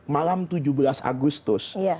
malam tujuh belas agustus